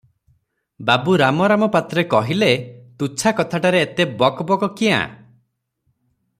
ବାବୁ ରାମରାମ ପାତ୍ରେ କହିଲେ- ତୁଚ୍ଛା କଥାଟାରେ ଏତେ ବକ୍ ବକ୍ କ୍ୟାଁ?